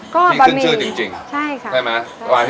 ก็บะหมี่มีขึ้นชื่อจริงจริงใช่ค่ะใช่ไหมใช่